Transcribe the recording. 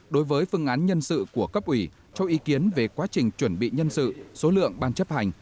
đối với phương án nhân sự của cấp ủy cho ý kiến về quá trình chuẩn bị nhân sự số lượng ban chấp hành